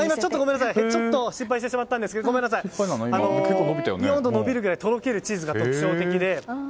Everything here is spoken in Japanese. ちょっと失敗してしまったんですがびよーんと伸びるくらいとろけるチーズが特徴的で。